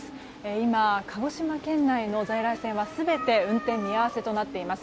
今、鹿児島県の在来線は全て運転見合わせとなっています。